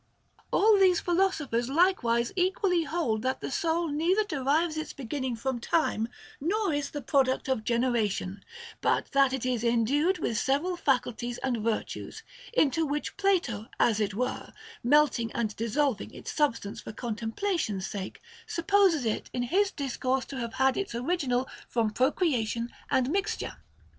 3. All these philosophers likewise equally hold that the soul neither derives its beginning from time nor is the prod uct of generation, but that it is endued with several facul ties and virtues, into which Plato, as it were, melting and dissolving its substance for contemplation's sake, supposes it in his discourse to have had its original from procrea tion and mixture.